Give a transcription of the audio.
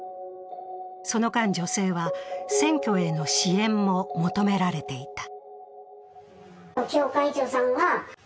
その間、女性は選挙への支援も求められていた。